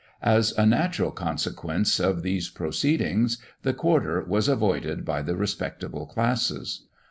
As a natural consequence of these proceedings, the quarter was avoided by the respectable classes.